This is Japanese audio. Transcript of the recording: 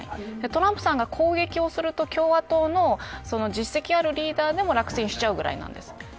トランプさんが攻撃をすると共和党の実績あるリーダーでも落選しちゃうぐらいです。